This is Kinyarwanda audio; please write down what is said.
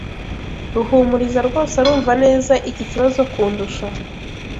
Ruhumuriza rwose arumva neza iki kibazo kundusha.